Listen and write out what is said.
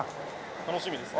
楽しみですね。